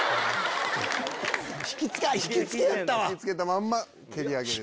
引きつけたまま蹴り上げる。